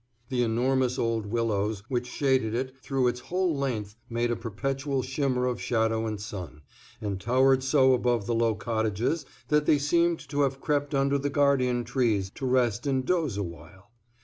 The enormous old willows which shaded it through its whole length made a perpetual shimmer of shadow and sun, and towered so above the low cottages that they seemed to have crept under the guardian trees to rest and doze a while.